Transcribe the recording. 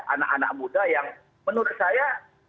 anak anak muda yang menurut saya